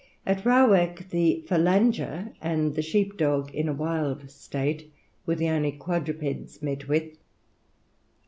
At Rawak the phalanger and the sheepdog in a wild state were the only quadrupeds met with.